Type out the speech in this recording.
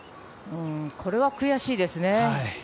これは悔しいですね。